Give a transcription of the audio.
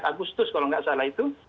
agustus kalau nggak salah itu